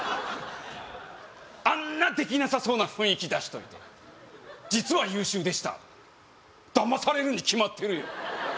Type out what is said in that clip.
あんなできなさそうな雰囲気出しといて実は優秀でしただまされるに決まってるよ